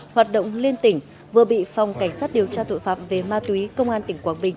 hoạt động liên tỉnh vừa bị phòng cảnh sát điều tra tội phạm về ma túy công an tỉnh quảng bình